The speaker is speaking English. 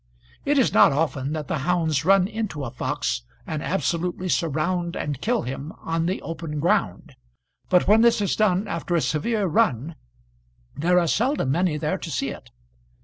It is not often that the hounds run into a fox and absolutely surround and kill him on the open ground, and when this is done after a severe run, there are seldom many there to see it.